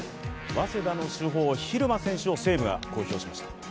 早稲田の主砲、蛭間選手を西武が公表しました。